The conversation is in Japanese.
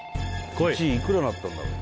１位いくらになったんだろう